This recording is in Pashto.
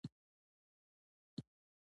ښځه په ځمکه را پریوتله.